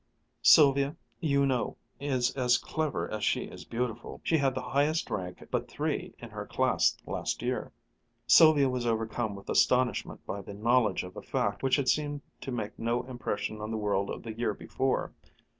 "Sylvia, you know, is as clever as she is beautiful. She had the highest rank but three in her class last year." Sylvia was overcome with astonishment by this knowledge of a fact which had seemed to make no impression on the world of the year before.